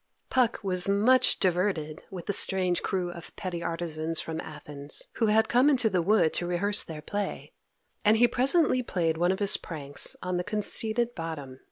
Puck was much diverted with the strange crew of petty artisans from Athens, who had come into the wood to rehearse their play, and he presently played one of his pranks on the conceited Bottom.